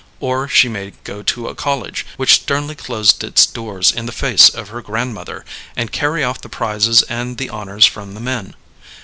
Or she may go to a college, which sternly closed its doors in the face of her grandmother, and carry off the prizes and the honors from the men.